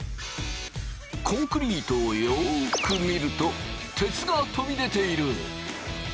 コンクリートをよく見ると鉄が飛び出ている！